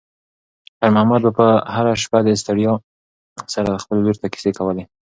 خیر محمد به هره شپه د ستړیا سره سره خپلې لور ته کیسې کولې.